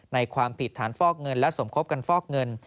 ความผิดฐานฟอกเงินและสมคบกันฟอกเงิน